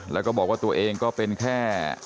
แล้วก็บอกว่าตัวเองก็เป็นแค่